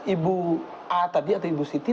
ibu a tadi atau ibu siti